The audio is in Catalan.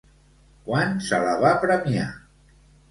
Quan se la va premiar?